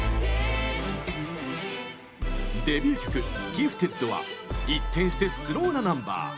デビュー曲「Ｇｉｆｔｅｄ．」は一転して、スローなナンバー。